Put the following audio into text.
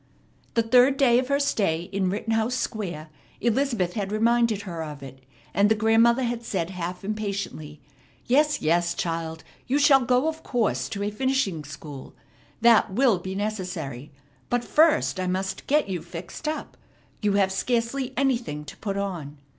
The third day of her stay in Rittenhouse Square, Elizabeth had reminded her of it, and the grandmother had said half impatiently: "Yes, yes, child; you shall go of course to a finishing school. That will be necessary. But first I must get you fixed up. You have scarcely anything to put on."